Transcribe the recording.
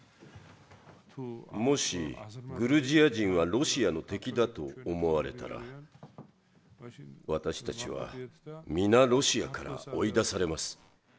もし「グルジア人はロシアの敵だ」と思われたら私たちは皆ロシアから追い出されます。